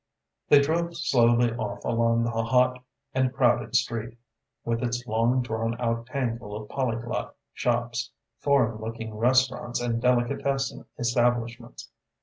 They drove slowly off along the hot and crowded street, with its long drawn out tangle of polyglot shops, foreign looking restaurants and delicatessen establishments.